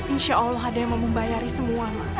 insya allah ada yang mau membayari semua mbak